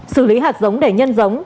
xử lý hạt giống để nhân giống